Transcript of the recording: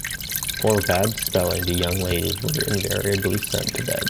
For bad spelling the young ladies were invariably sent to bed.